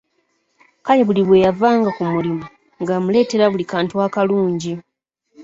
Kale buli bweyavanga ku mulimu nga amuleetera buli kantu akalungi.